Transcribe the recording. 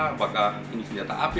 apakah ini senjata api